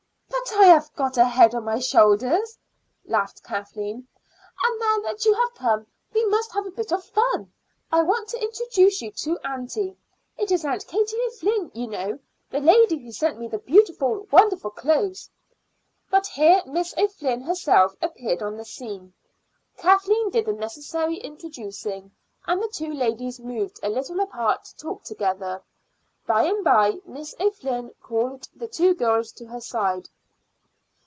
"But I have got a head on my shoulders," laughed Kathleen. "And now that you have come we must have a bit of fun. I want to introduce you to aunty. It is Aunt Katie O'Flynn, you know, the lady who sent me the beautiful, wonderful clothes." But here Miss O'Flynn herself appeared on the scene. Kathleen did the necessary introducing, and the two ladies moved a little apart to talk together. By and by Miss O'Flynn called the two girls to her side.